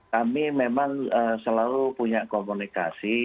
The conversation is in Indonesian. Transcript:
kami memang selalu punya komunikasi